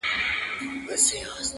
• ځان دي هسي کړ ستومان په منډه منډه,